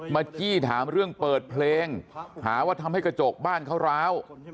จี้ถามเรื่องเปิดเพลงหาว่าทำให้กระจกบ้านเขาร้าว